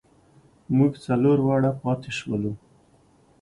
مونږ څلور واړه پاتې شولو.